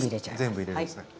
全部入れるんですね。